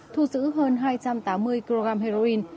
thu giữ hơn hai trăm tám mươi kg heroin